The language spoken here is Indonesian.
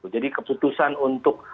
jadi keputusan untuk